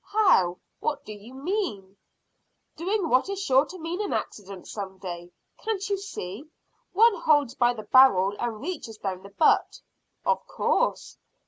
"How? What do you mean?" "Doing what is sure to mean an accident some day. Can't you see, one holds by the barrel and reaches down the butt?" "Of course."